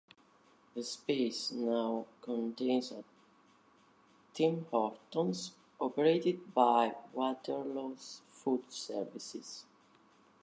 The space now contains a Tim Hortons, operated by Waterloo's Food Services.